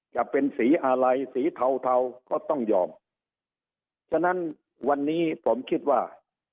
จะเป็นสีอะไรสีเทาเทาก็ต้องยอมฉะนั้นวันนี้ผมคิดว่า